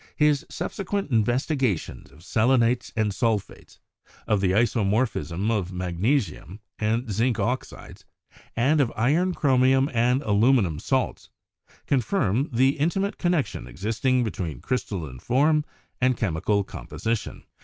His subsequent investigations of selenates and sulphates, of the isomorphism of magnesium and zinc oxides, and of iron, chromium and aluminium* salts, confirmed the intimate connection existing between crystalline form and chemical composition.